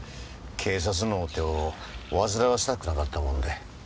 警察のお手を煩わせたくなかったもんで。